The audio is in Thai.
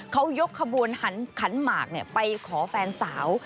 เขายกขบวนขันหมากเนี่ยไปขอแฟนสาว